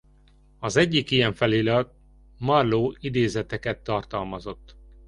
Az egyik ilyen felirat Marlowe idézeteket tartalmazott.